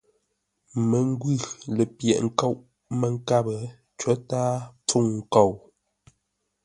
Məngwʉ̂ lə̂ pyə̂ghʼ ńkóʼ, ə́ mə́ nkáp; có tǎa pfûŋ nkou.